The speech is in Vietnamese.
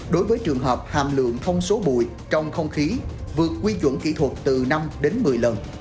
đối với trường hợp hàm lượng thông số bụi trong không khí vượt quy chuẩn kỹ thuật từ năm đến một mươi lần